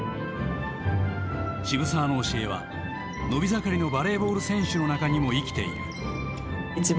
渋沢の教えは伸び盛りのバレーボール選手の中にも生きている。